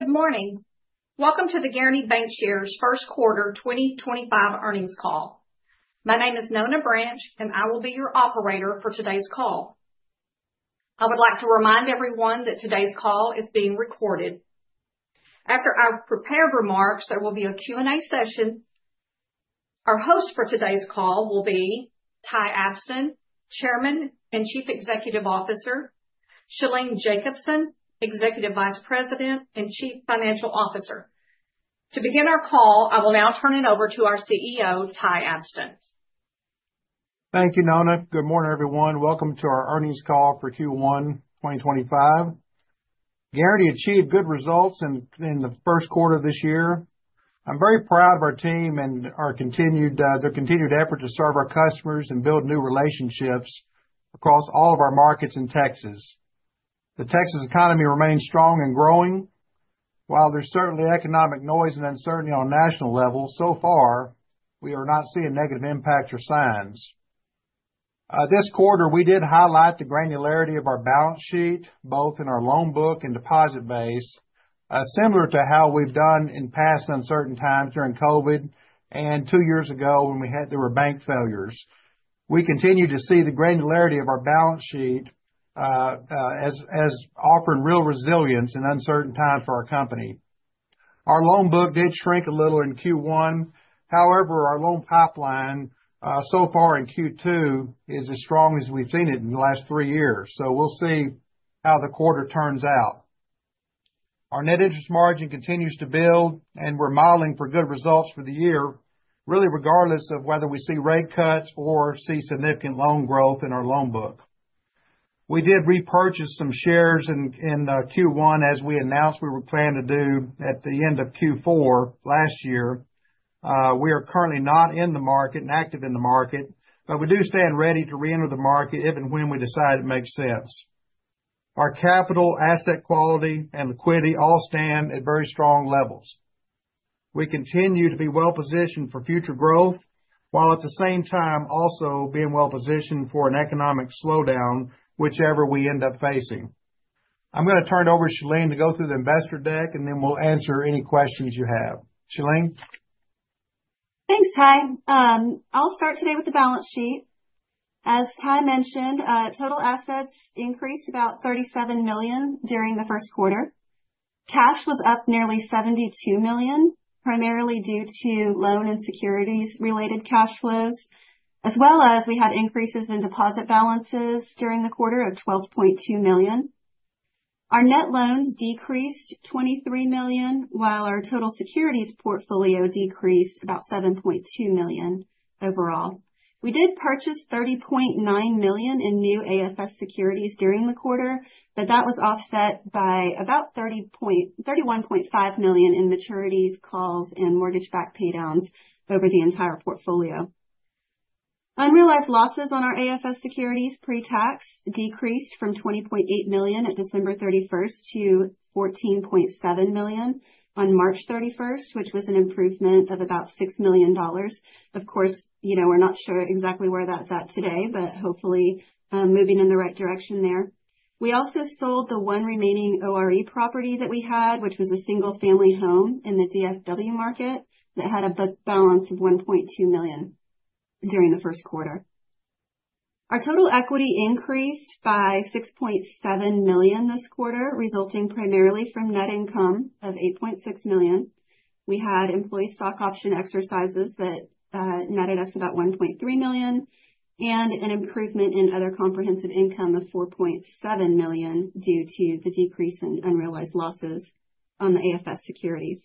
Good morning. Welcome to the Guaranty Bancshares First Quarter 2025 earnings call. My name is Nona Branch, and I will be your operator for today's call. I would like to remind everyone that today's call is being recorded. After our prepared remarks, there will be a Q&A session. Our host for today's call will be Ty Abston, Chairman and Chief Executive Officer, and Shalene Jacobson, Executive Vice President and Chief Financial Officer. To begin our call, I will now turn it over to our CEO, Ty Abston. Thank you, Nona. Good morning, everyone. Welcome to our earnings call for Q1 2025. Guaranty achieved good results in the first quarter of this year. I'm very proud of our team and our continued effort to serve our customers and build new relationships across all of our markets in Texas. The Texas economy remains strong and growing. While there's certainly economic noise and uncertainty on a national level, so far we are not seeing negative impacts or signs. This quarter, we did highlight the granularity of our balance sheet, both in our loan book and deposit base, similar to how we've done in past uncertain times during COVID and two years ago when there were bank failures. We continue to see the granularity of our balance sheet as offering real resilience in uncertain times for our company. Our loan book did shrink a little in Q1. However, our loan pipeline so far in Q2 is as strong as we've seen it in the last three years. We will see how the quarter turns out. Our net interest margin continues to build, and we're modeling for good results for the year, really regardless of whether we see rate cuts or see significant loan growth in our loan book. We did repurchase some shares in Q1, as we announced we were planning to do at the end of Q4 last year. We are currently not in the market and active in the market, but we do stand ready to re-enter the market if and when we decide it makes sense. Our capital, asset quality, and liquidity all stand at very strong levels. We continue to be well-positioned for future growth, while at the same time also being well-positioned for an economic slowdown, whichever we end up facing. I'm going to turn it over to Shalene to go through the investor deck, and then we'll answer any questions you have. Shalene? Thanks, Ty. I'll start today with the balance sheet. As Ty mentioned, total assets increased about $37 million during the first quarter. Cash was up nearly $72 million, primarily due to loan and securities-related cash flows, as well as we had increases in deposit balances during the quarter of $12.2 million. Our net loans decreased $23 million, while our total securities portfolio decreased about $7.2 million overall. We did purchase $30.9 million in new AFS securities during the quarter, but that was offset by about $31.5 million in maturities, calls, and mortgage-backed paydowns over the entire portfolio. Unrealized losses on our AFS securities pre-tax decreased from $20.8 million at December 31 to $14.7 million on March 31, which was an improvement of about $6 million. Of course, you know we're not sure exactly where that's at today, but hopefully moving in the right direction there. We also sold the one remaining ORE property that we had, which was a single-family home in the DFW market that had a book balance of $1.2 million during the first quarter. Our total equity increased by $6.7 million this quarter, resulting primarily from net income of $8.6 million. We had employee stock option exercises that netted us about $1.3 million and an improvement in other comprehensive income of $4.7 million due to the decrease in unrealized losses on the AFS securities.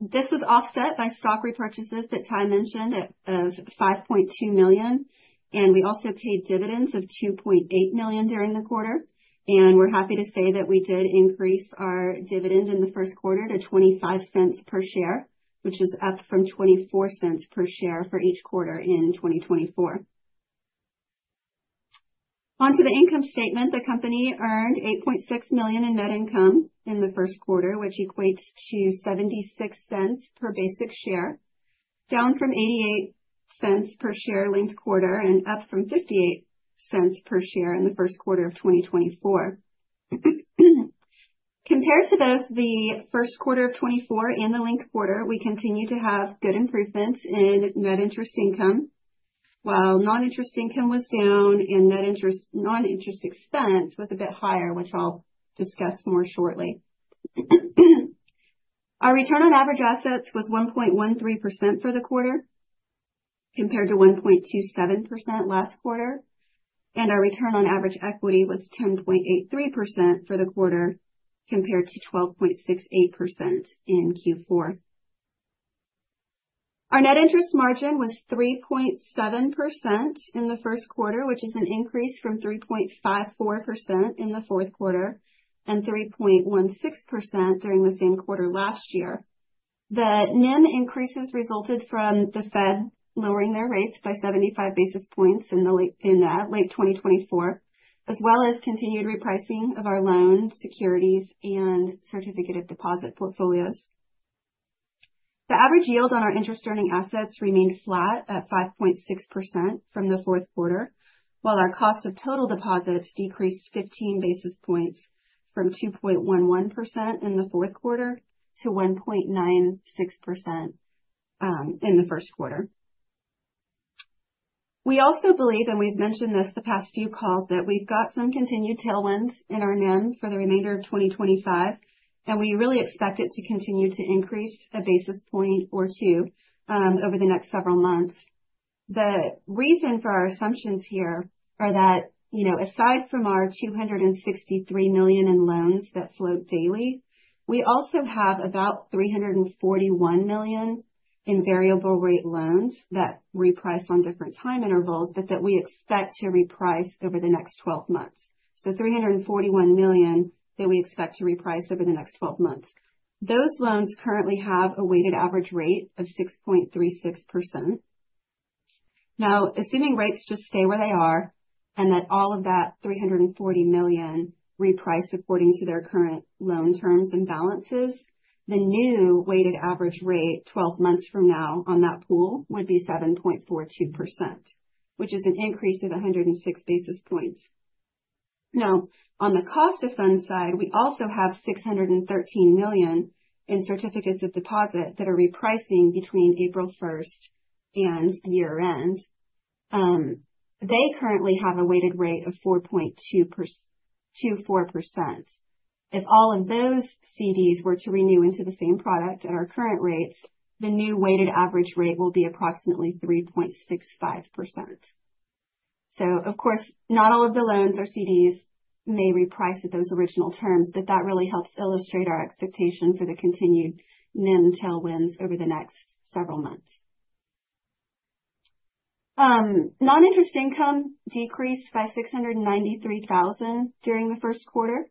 This was offset by stock repurchases that Ty mentioned of $5.2 million. We also paid dividends of $2.8 million during the quarter. We are happy to say that we did increase our dividend in the first quarter to $0.25 per share, which is up from $0.24 per share for each quarter in 2024. Onto the income statement, the company earned $8.6 million in net income in the first quarter, which equates to $0.76 per basic share, down from $0.88 per share linked quarter and up from $0.58 per share in the first quarter of 2023. Compared to both the first quarter of 2023 and the linked quarter, we continue to have good improvements in net interest income, while non-interest income was down and non-interest expense was a bit higher, which I'll discuss more shortly. Our return on average assets was 1.13% for the quarter compared to 1.27% last quarter. Our return on average equity was 10.83% for the quarter compared to 12.68% in Q4. Our net interest margin was 3.7% in the first quarter, which is an increase from 3.54% in the fourth quarter and 3.16% during the same quarter last year. The NIM increases resulted from the Fed lowering their rates by 75 basis points in late 2024, as well as continued repricing of our loans, securities, and certificate of deposit portfolios. The average yield on our interest-earning assets remained flat at 5.6% from the fourth quarter, while our cost of total deposits decreased 15 basis points from 2.11% in the fourth quarter to 1.96% in the first quarter. We also believe, and we've mentioned this the past few calls, that we've got some continued tailwinds in our NIM for the remainder of 2025, and we really expect it to continue to increase a basis point or two over the next several months. The reason for our assumptions here are that, you know, aside from our $263 million in loans that float daily, we also have about $341 million in variable rate loans that reprice on different time intervals, but that we expect to reprice over the next 12 months. $341 million that we expect to reprice over the next 12 months. Those loans currently have a weighted average rate of 6.36%. Now, assuming rates just stay where they are and that all of that $341 million reprice according to their current loan terms and balances, the new weighted average rate 12 months from now on that pool would be 7.42%, which is an increase of 106 basis points. Now, on the cost of funds side, we also have $613 million in certificates of deposit that are repricing between April 1 and year-end. They currently have a weighted rate of 4.24%. If all of those CDs were to renew into the same product at our current rates, the new weighted average rate will be approximately 3.65%. Of course, not all of the loans or CDs may reprice at those original terms, but that really helps illustrate our expectation for the continued NIM tailwinds over the next several months. Non-interest income decreased by $693,000 during the first quarter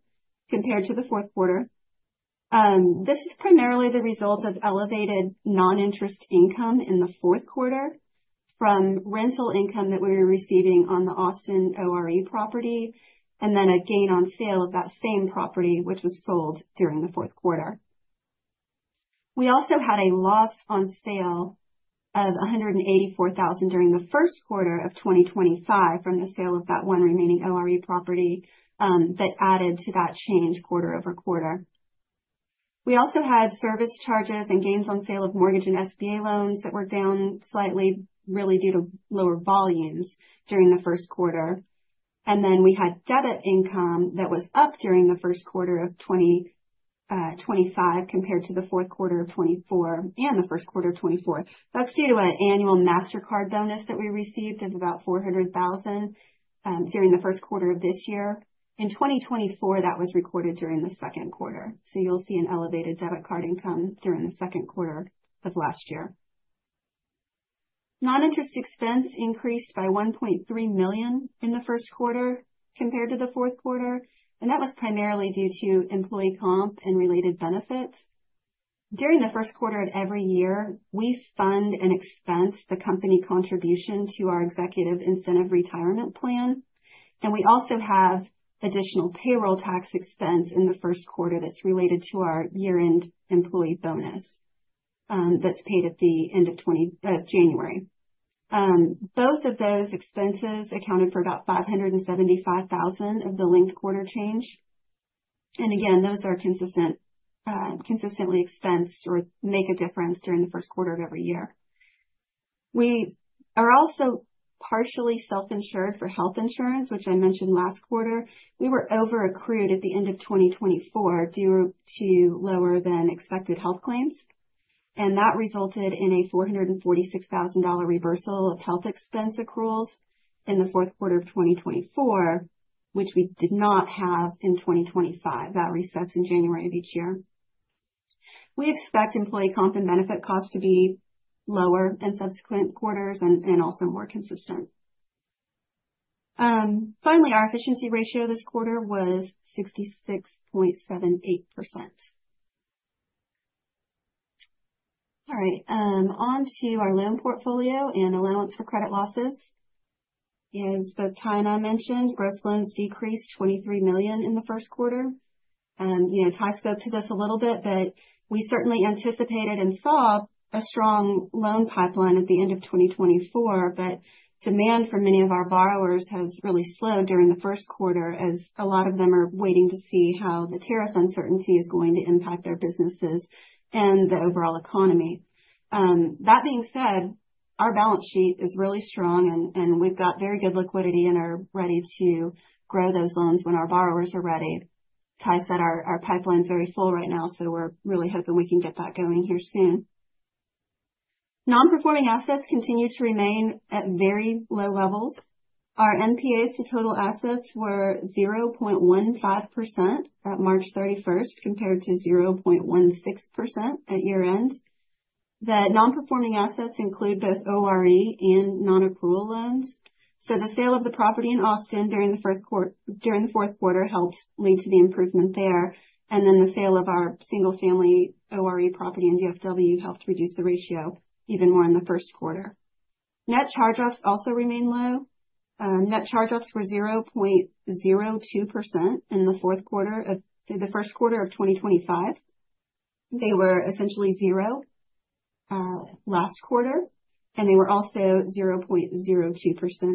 compared to the fourth quarter. This is primarily the result of elevated non-interest income in the fourth quarter from rental income that we were receiving on the Austin ORE property and then a gain on sale of that same property, which was sold during the fourth quarter. We also had a loss on sale of $184,000 during the first quarter of 2025 from the sale of that one remaining ORE property that added to that change quarter over quarter. We also had service charges and gains on sale of mortgage and SBA loans that were down slightly, really due to lower volumes during the first quarter. We had debit income that was up during the first quarter of 2025 compared to the fourth quarter of 2024 and the first quarter of 2024. That is due to an annual Mastercard bonus that we received of about $400,000 during the first quarter of this year. In 2024, that was recorded during the second quarter. You will see an elevated debit card income during the second quarter of last year. Non-interest expense increased by $1.3 million in the first quarter compared to the fourth quarter, and that was primarily due to employee comp and related benefits. During the first quarter of every year, we fund and expense the company contribution to our Executive Incentive Retirement Plan. We also have additional payroll tax expense in the first quarter that's related to our year-end employee bonus that's paid at the end of January. Both of those expenses accounted for about $575,000 of the linked quarter change. Again, those are consistently expensed or make a difference during the first quarter of every year. We are also partially self-insured for health insurance, which I mentioned last quarter. We were over-accrued at the end of 2024 due to lower-than-expected health claims. That resulted in a $446,000 reversal of health expense accruals in the fourth quarter of 2024, which we did not have in 2025. That resets in January of each year. We expect employee comp and benefit costs to be lower in subsequent quarters and also more consistent. Finally, our efficiency ratio this quarter was 66.78%. All right. On to our loan portfolio and allowance for credit losses. As both Ty and I mentioned, gross loans decreased $23 million in the first quarter. You know, Ty spoke to this a little bit, but we certainly anticipated and saw a strong loan pipeline at the end of 2024, but demand for many of our borrowers has really slowed during the first quarter as a lot of them are waiting to see how the tariff uncertainty is going to impact their businesses and the overall economy. That being said, our balance sheet is really strong, and we've got very good liquidity and are ready to grow those loans when our borrowers are ready. Ty said our pipeline's very full right now, so we're really hoping we can get that going here soon. Non-performing assets continue to remain at very low levels. Our NPAs to total assets were 0.15% at March 31 compared to 0.16% at year-end. The non-performing assets include both ORE and non-accrual loans. The sale of the property in Austin during the fourth quarter helped lead to the improvement there. The sale of our single-family ORE property in DFW helped reduce the ratio even more in the first quarter. Net charge-offs also remain low. Net charge-offs were 0.02% in the fourth quarter of the first quarter of 2025. They were essentially zero last quarter, and they were also 0.02%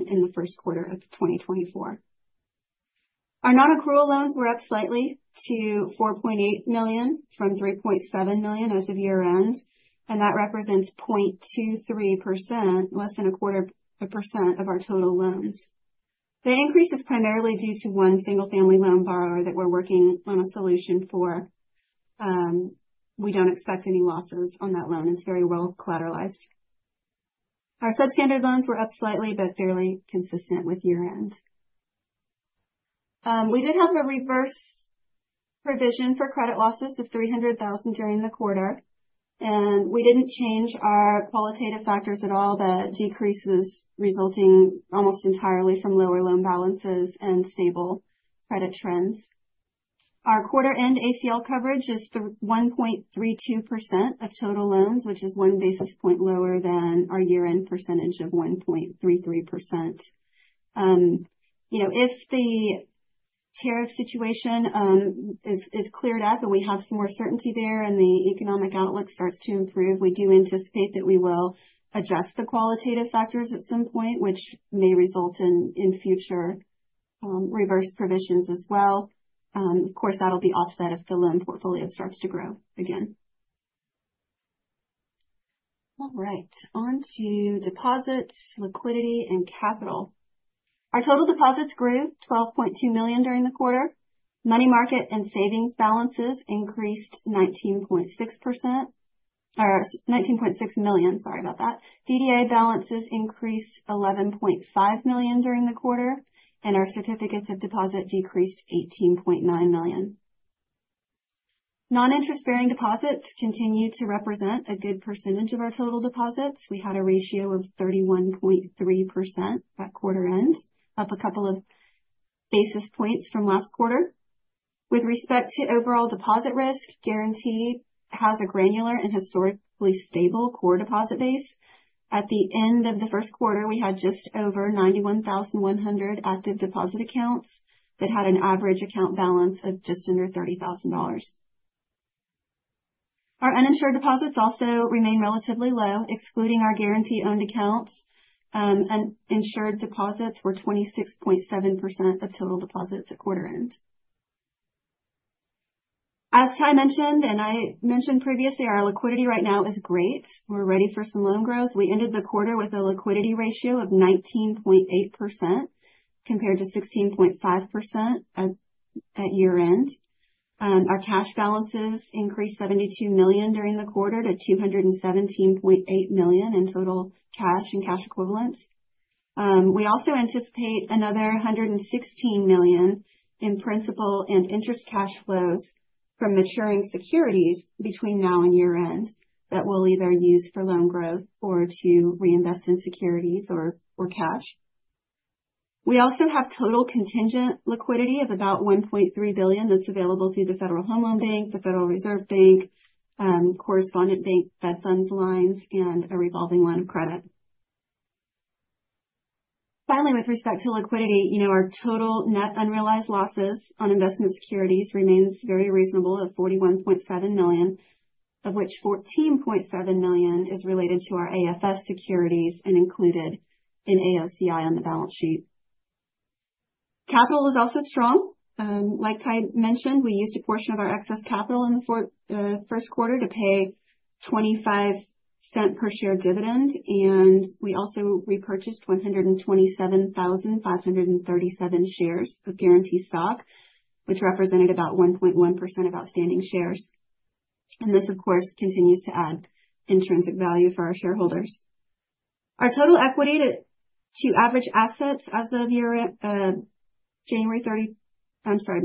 in the first quarter of 2024. Our non-accrual loans were up slightly to $4.8 million from $3.7 million as of year-end, and that represents 0.23%, less than a quarter of a percent of our total loans. The increase is primarily due to one single-family loan borrower that we're working on a solution for. We do not expect any losses on that loan. It is very well-collateralized. Our substandard loans were up slightly, but fairly consistent with year-end. We did have a reverse provision for credit losses of $300,000 during the quarter, and we didn't change our qualitative factors at all. The decrease was resulting almost entirely from lower loan balances and stable credit trends. Our quarter-end ACL coverage is 1.32% of total loans, which is one basis point lower than our year-end percentage of 1.33%. You know, if the tariff situation is cleared up and we have some more certainty there and the economic outlook starts to improve, we do anticipate that we will adjust the qualitative factors at some point, which may result in future reverse provisions as well. Of course, that'll be offset if the loan portfolio starts to grow again. All right. On to deposits, liquidity, and capital. Our total deposits grew $12.2 million during the quarter. Money market and savings balances increased 19.6% or $19.6 million. Sorry about that. DDA balances increased $11.5 million during the quarter, and our certificates of deposit decreased $18.9 million. Non-interest-bearing deposits continue to represent a good percentage of our total deposits. We had a ratio of 31.3% at quarter-end, up a couple of basis points from last quarter. With respect to overall deposit risk, Guaranty has a granular and historically stable core deposit base. At the end of the first quarter, we had just over 91,100 active deposit accounts that had an average account balance of just under $30,000. Our uninsured deposits also remain relatively low, excluding our Guaranty-owned accounts. Uninsured deposits were 26.7% of total deposits at quarter-end. As Ty mentioned, and I mentioned previously, our liquidity right now is great. We're ready for some loan growth. We ended the quarter with a liquidity ratio of 19.8% compared to 16.5% at year-end. Our cash balances increased $72 million during the quarter to $217.8 million in total cash and cash equivalents. We also anticipate another $116 million in principal and interest cash flows from maturing securities between now and year-end that we'll either use for loan growth or to reinvest in securities or cash. We also have total contingent liquidity of about $1.3 billion that's available through the Federal Home Loan Bank, the Federal Reserve Bank, correspondent bank, Fed Funds lines, and a revolving line of credit. Finally, with respect to liquidity, you know, our total net unrealized losses on investment securities remains very reasonable at $41.7 million, of which $14.7 million is related to our AFS securities and included in AOCI on the balance sheet. Capital was also strong. Like Ty mentioned, we used a portion of our excess capital in the first quarter to pay $0.25 per share dividend, and we also repurchased 127,537 shares of Guaranty stock, which represented about 1.1% of outstanding shares. This, of course, continues to add intrinsic value for our shareholders. Our total equity to average assets as of January 30, I'm sorry,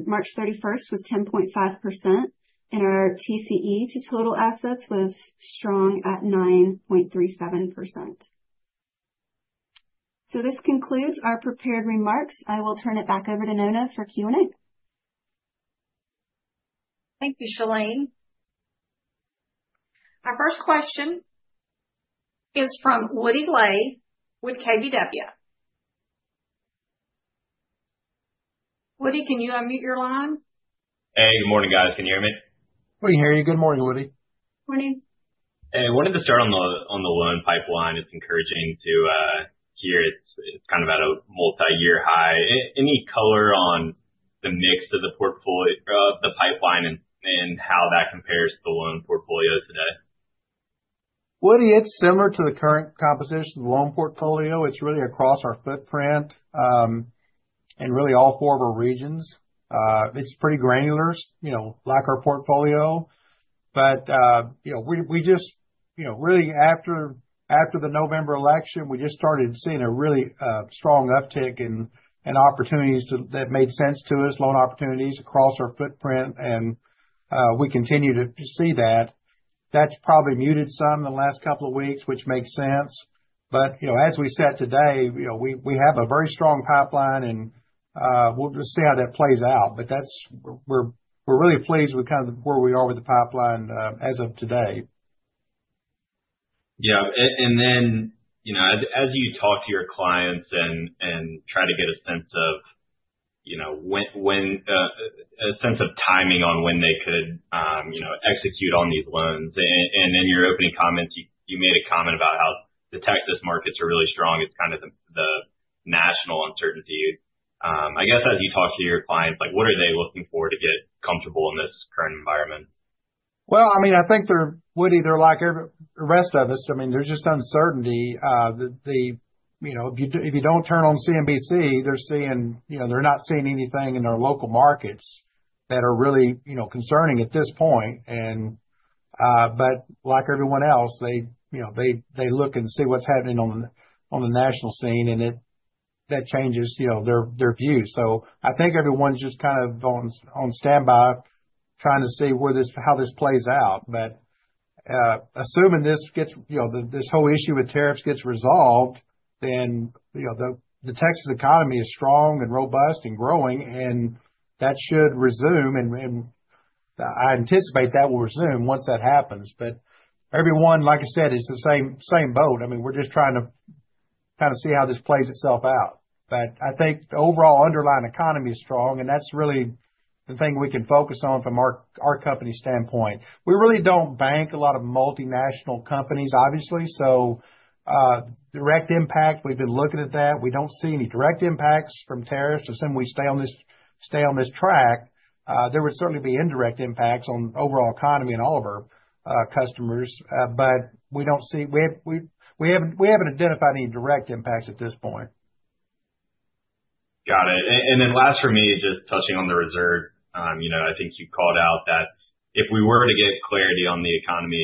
March 31 was 10.5%, and our TCE to total assets was strong at 9.37%. This concludes our prepared remarks. I will turn it back over to Nona for Q&A. Thank you, Shalene. Our first question is from Woody Lay with KBW. Woody, can you unmute your line? Hey, good morning, guys. Can you hear me? We can hear you. Good morning, Woody. Morning. Hey, wanted to start on the loan pipeline. It's encouraging to hear it's kind of at a multi-year high. Any color on the mix of the pipeline and how that compares to the loan portfolio today? Woody, it's similar to the current composition of the loan portfolio. It's really across our footprint and really all four of our regions. It's pretty granular, you know, like our portfolio. But, you know, we just, you know, really after the November election, we just started seeing a really strong uptick in opportunities that made sense to us, loan opportunities across our footprint, and we continue to see that. That's probably muted some in the last couple of weeks, which makes sense. You know, as we said today, you know, we have a very strong pipeline, and we'll just see how that plays out. That's where we're really pleased with kind of where we are with the pipeline as of today. Yeah.You know, as you talk to your clients and try to get a sense of, you know, a sense of timing on when they could, you know, execute on these loans. In your opening comments, you made a comment about how the Texas markets are really strong. It's kind of the national uncertainty. I guess as you talk to your clients, like, what are they looking for to get comfortable in this current environment? I mean, I think they're, Woody, they're like every rest of us. I mean, there's just uncertainty. You know, if you don't turn on CNBC, they're seeing, you know, they're not seeing anything in their local markets that are really, you know, concerning at this point. Like everyone else, they, you know, they look and see what's happening on the national scene, and that changes, you know, their views. I think everyone's just kind of on standby trying to see how this plays out. Assuming this gets, you know, this whole issue with tariffs gets resolved, the Texas economy is strong and robust and growing, and that should resume. I anticipate that will resume once that happens. Everyone, like I said, is in the same boat. I mean, we're just trying to kind of see how this plays itself out. I think the overall underlying economy is strong, and that's really the thing we can focus on from our company standpoint. We really don't bank a lot of multinational companies, obviously. Direct impact, we've been looking at that. We don't see any direct impacts from tariffs. Assuming we stay on this track, there would certainly be indirect impacts on the overall economy and all of our customers. We do not see—we have not identified any direct impacts at this point. Got it. Last for me, just touching on the reserve, you know, I think you called out that if we were to get clarity on the economy,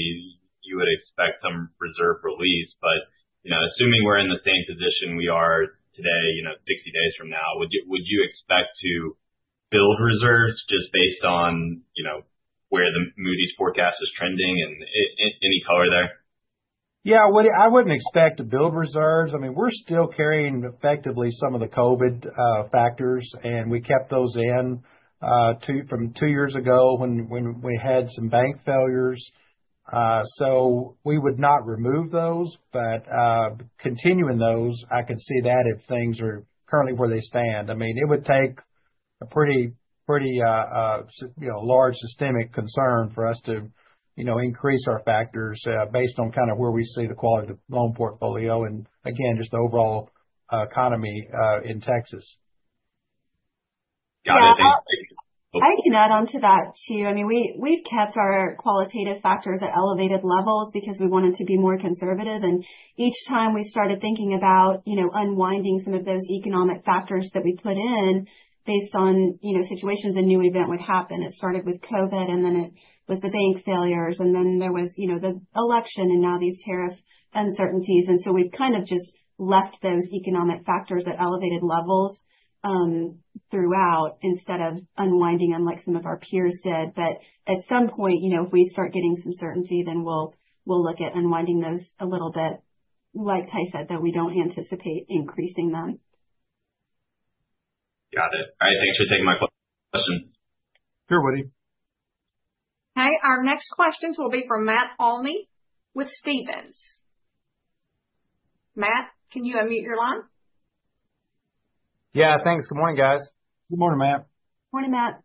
you would expect some reserve release. But, you know, assuming we are in the same position we are today, you know, 60 days from now, would you expect to build reserves just based on, you know, where the Moody's forecast is trending and any color there? Yeah, Woody, I would not expect to build reserves. I mean, we are still carrying effectively some of the COVID factors, and we kept those in from two years ago when we had some bank failures. We would not remove those, but continuing those, I could see that if things are currently where they stand. I mean, it would take a pretty, pretty, you know, large systemic concern for us to, you know, increase our factors based on kind of where we see the quality of the loan portfolio and, again, just the overall economy in Texas. Got it. I can add on to that too. I mean, we've kept our qualitative factors at elevated levels because we wanted to be more conservative. Each time we started thinking about, you know, unwinding some of those economic factors that we put in based on, you know, situations, a new event would happen. It started with COVID, then it was the bank failures, then there was, you know, the election, and now these tariff uncertainties. We have kind of just left those economic factors at elevated levels throughout instead of unwinding them like some of our peers did. But at some point, you know, if we start getting some certainty, then we'll look at unwinding those a little bit. Like Ty said, though, we don't anticipate increasing them. Got it. All right. Thanks for taking my question. Sure, Woody. Okay. Our next questions will be from Matt Olney with Stephens. Matt, can you unmute your line? Yeah. Thanks. Good morning, guys. Good morning, Matt. Morning, Matt.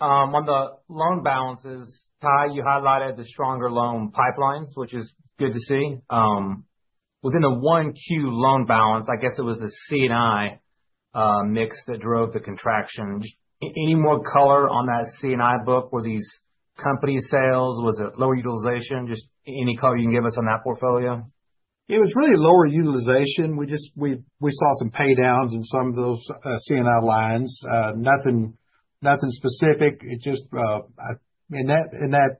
On the loan balances, Ty, you highlighted the stronger loan pipelines, which is good to see. Within the one Q loan balance, I guess it was the C&I mix that drove the contraction. Just any more color on that C&I book? Were these company sales? Was it lower utilization? Just any color you can give us on that portfolio? It was really lower utilization. We just—we saw some paydowns in some of those C&I lines. Nothing specific. It just—and that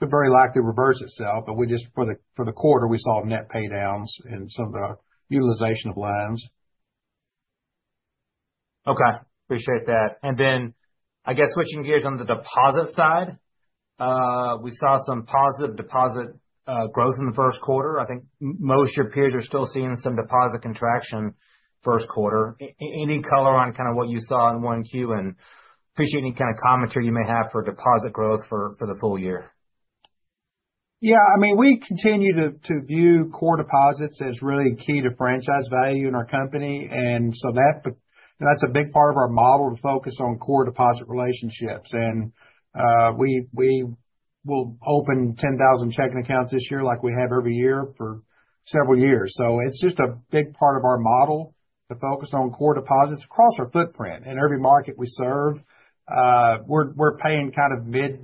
very likely reversed itself, but we just—for the quarter, we saw net paydowns in some of the utilization of lines. Okay. Appreciate that. I guess switching gears on the deposit side, we saw some positive deposit growth in the first quarter. I think most of your peers are still seeing some deposit contraction first quarter. Any color on kind of what you saw in one Q? Appreciate any kind of commentary you may have for deposit growth for the full year. Yeah. I mean, we continue to view core deposits as really key to franchise value in our company. That is a big part of our model to focus on core deposit relationships. We will open 10,000 checking accounts this year like we have every year for several years. It's just a big part of our model to focus on core deposits across our footprint. In every market we serve, we're paying kind of mid,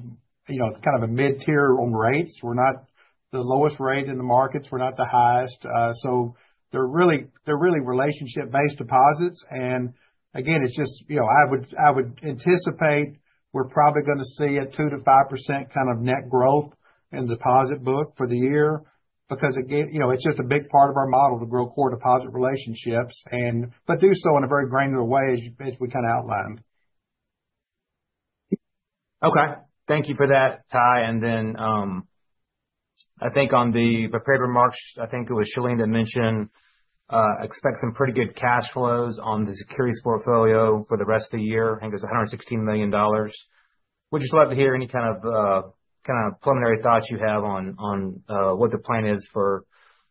you know, kind of a mid-tier on rates. We're not the lowest rate in the markets. We're not the highest. They're really relationship-based deposits. Again, it's just, you know, I would anticipate we're probably going to see a 2-5% kind of net growth in the deposit book for the year because, again, you know, it's just a big part of our model to grow core deposit relationships, but do so in a very granular way as we kind of outlined. Okay. Thank you for that, Ty. I think on the prepared remarks, I think it was Shalene that mentioned expect some pretty good cash flows on the securities portfolio for the rest of the year. I think it was $116 million. Would just love to hear any kind of preliminary thoughts you have on what the plan is for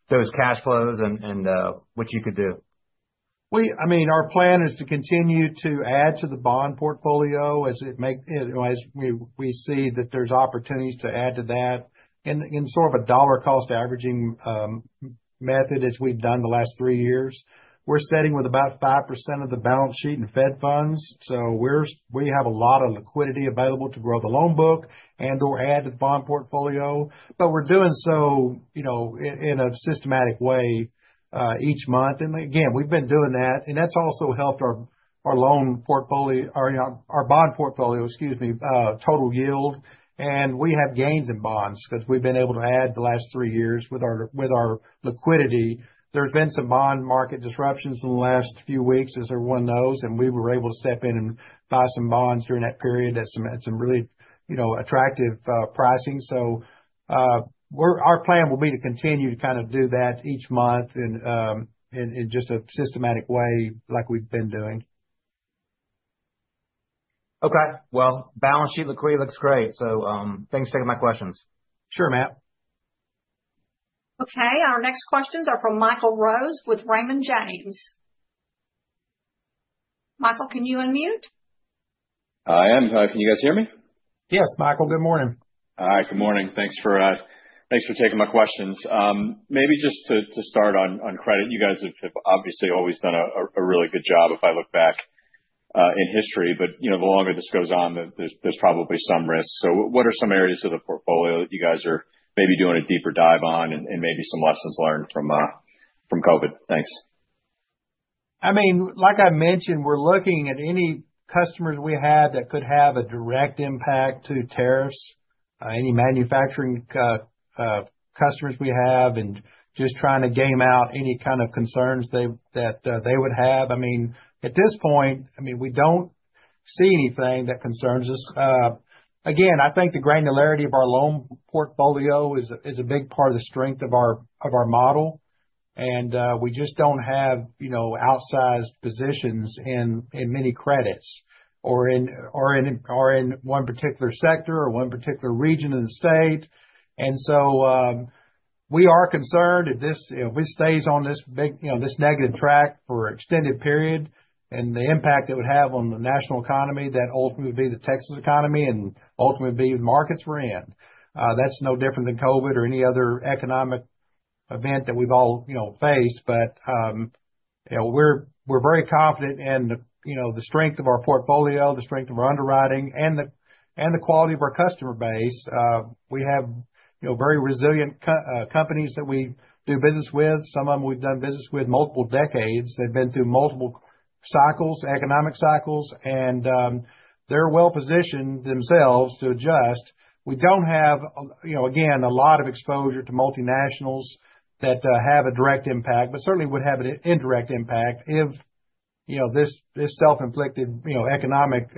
those cash flows and what you could do. I mean, our plan is to continue to add to the bond portfolio as it makes—you know, as we see that there's opportunities to add to that in sort of a dollar-cost averaging method as we've done the last three years. We're sitting with about 5% of the balance sheet in Fed Funds. We have a lot of liquidity available to grow the loan book and/or add to the bond portfolio. We are doing so, you know, in a systematic way each month. Again, we've been doing that. That's also helped our loan portfolio, our bond portfolio, excuse me, total yield. We have gains in bonds because we've been able to add the last three years with our liquidity. There's been some bond market disruptions in the last few weeks, as everyone knows, and we were able to step in and buy some bonds during that period at some really, you know, attractive pricing. Our plan will be to continue to kind of do that each month in just a systematic way like we've been doing. Balance sheet liquidity looks great. Thanks for taking my questions. Sure, Matt. Our next questions are from Michael Rose with Raymond James. Michael, can you unmute? I am. Can you guys hear me? Yes, Michael. Good morning. All right. Good morning. Thanks for taking my questions. Maybe just to start on credit, you guys have obviously always done a really good job if I look back in history. You know, the longer this goes on, there's probably some risk. What are some areas of the portfolio that you guys are maybe doing a deeper dive on and maybe some lessons learned from COVID? Thanks. I mean, like I mentioned, we're looking at any customers we have that could have a direct impact to tariffs, any manufacturing customers we have, and just trying to game out any kind of concerns that they would have. I mean, at this point, we don't see anything that concerns us. Again, I think the granularity of our loan portfolio is a big part of the strength of our model. We just don't have, you know, outsized positions in many credits or in one particular sector or one particular region of the state. We are concerned if this stays on this big, you know, this negative track for an extended period and the impact it would have on the national economy that ultimately would be the Texas economy and ultimately would be the markets we're in. That's no different than COVID or any other economic event that we've all, you know, faced. You know, we're very confident in the, you know, the strength of our portfolio, the strength of our underwriting, and the quality of our customer base. We have, you know, very resilient companies that we do business with. Some of them we've done business with multiple decades. They've been through multiple cycles, economic cycles, and they're well-positioned themselves to adjust. We don't have, you know, again, a lot of exposure to multinationals that have a direct impact, but certainly would have an indirect impact. If, you know, this self-inflicted, you know, economic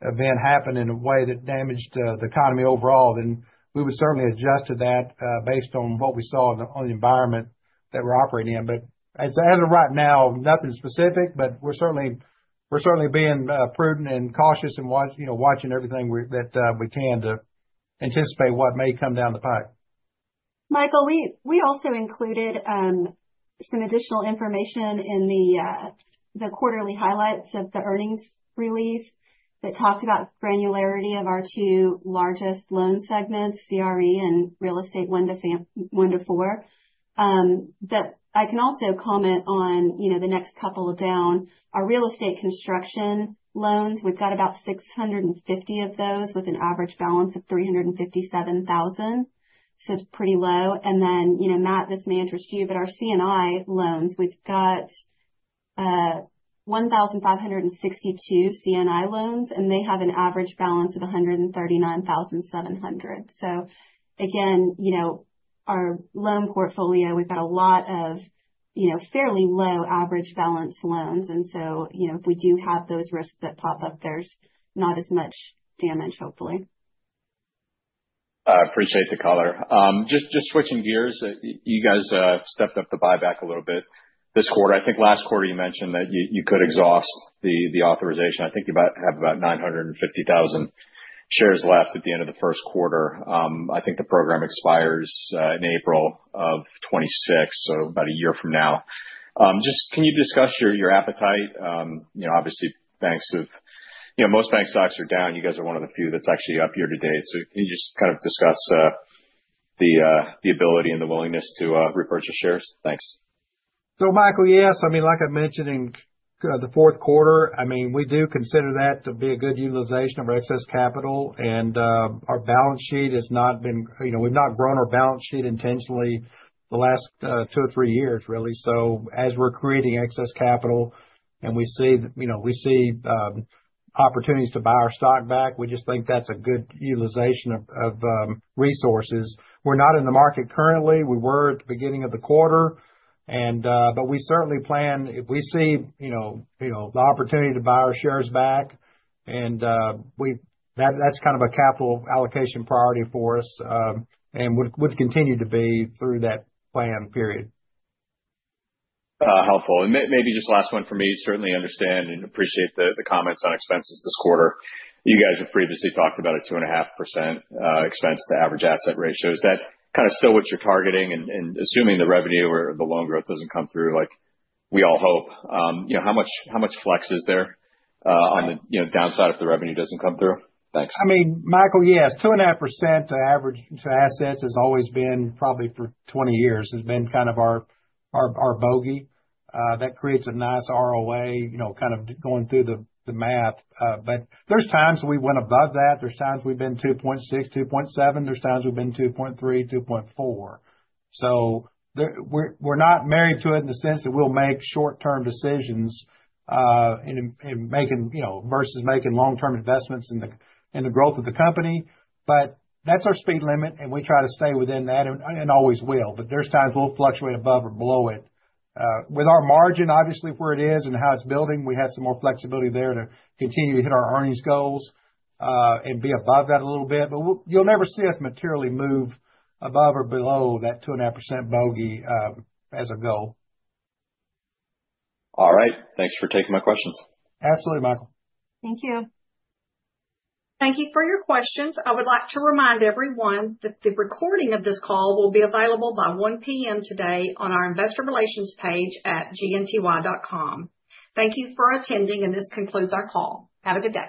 event happened in a way that damaged the economy overall, then we would certainly adjust to that based on what we saw on the environment that we're operating in. As of right now, nothing specific, but we're certainly being prudent and cautious and watching everything that we can to anticipate what may come down the pike. Michael, we also included some additional information in the quarterly highlights of the earnings release that talked about the granularity of our two largest loan segments, CRE and real estate one to four. I can also comment on, you know, the next couple down, our real estate construction loans. We've got about 650 of those with an average balance of $357,000. So it's pretty low. You know, Matt, this may interest you, but our C&I loans, we've got 1,562 C&I loans, and they have an average balance of $139,700. Again, you know, our loan portfolio, we've got a lot of, you know, fairly low average balance loans. You know, if we do have those risks that pop up, there's not as much damage, hopefully. I appreciate the color. Just switching gears, you guys stepped up the buyback a little bit this quarter. I think last quarter you mentioned that you could exhaust the authorization. I think you have about 950,000 shares left at the end of the first quarter. I think the program expires in April of 2026, so about a year from now. Just can you discuss your appetite? You know, obviously, banks have, you know, most bank stocks are down. You guys are one of the few that's actually up year to date. Can you just kind of discuss the ability and the willingness to repurchase shares? Thanks. Michael, yes. Like I mentioned in the fourth quarter, we do consider that to be a good utilization of our excess capital. Our balance sheet has not been, you know, we've not grown our balance sheet intentionally the last two or three years, really. As we're creating excess capital and we see, you know, we see opportunities to buy our stock back, we just think that's a good utilization of resources. We're not in the market currently. We were at the beginning of the quarter. We certainly plan, if we see, you know, the opportunity to buy our shares back, and that's kind of a capital allocation priority for us and would continue to be through that plan period. Helpful. Maybe just last one for me. Certainly understand and appreciate the comments on expenses this quarter. You guys have previously talked about a 2.5% expense to average asset ratio. Is that kind of still what you're targeting? And assuming the revenue or the loan growth doesn't come through, like we all hope, you know, how much flex is there on the, you know, downside if the revenue doesn't come through? Thanks. I mean, Michael, yes. 2.5% to average to assets has always been probably for 20 years, has been kind of our bogey. That creates a nice ROA, you know, kind of going through the math. There are times we went above that. There are times we've been 2.6, 2.7. There are times we've been 2.3, 2.4. We are not married to it in the sense that we'll make short-term decisions in making, you know, versus making long-term investments in the growth of the company. That is our speed limit, and we try to stay within that and always will. There are times we will fluctuate above or below it. With our margin, obviously, where it is and how it is building, we have some more flexibility there to continue to hit our earnings goals and be above that a little bit. You will never see us materially move above or below that 2.5% bogey as a goal. All right. Thanks for taking my questions. Absolutely, Michael. Thank you. Thank you for your questions. I would like to remind everyone that the recording of this call will be available by 1:00 P.M. today on our investor relations page at GNTY.com. Thank you for attending, and this concludes our call. Have a good day.